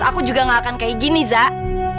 aku juga gak akan kayak gini zak